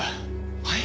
はい？